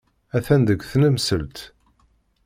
Atan deg tnemselt.